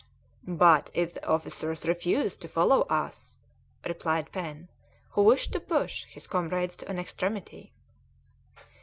"But if the officers refuse to follow us?" replied Pen, who wished to push his comrades to an extremity.